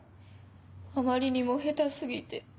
あまりにも下手過ぎて。